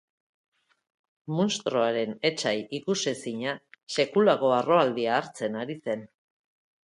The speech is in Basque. Munstroaren etsai ikusezina sekulako harroaldia hartzen ari zen.